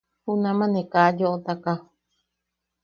Junama ne ka yoʼotaka.